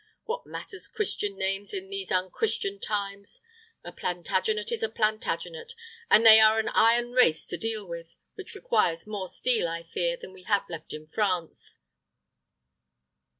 What matters Christian names in these unchristian times? A Plantagenet is a Plantagenet; and they are an iron race to deal with, which requires more steel, I fear, than we have left in France."